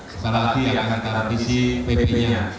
setelah itu yang akan garantisi pp nya